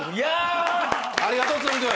ありがとうつんく♂。